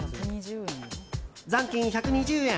残金１２０円